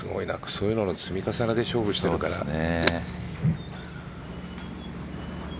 そういうのの積み重ねで勝負してるからね。